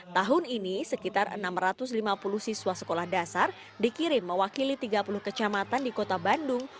tahun ini sekitar enam ratus lima puluh siswa sekolah dasar dikirim mewakili tiga puluh kecamatan di kota bandung